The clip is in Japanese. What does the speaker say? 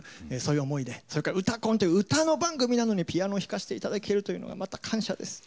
それから「うたコン」という歌の番組なのにピアノを弾かせて頂けるというのはまた感謝です。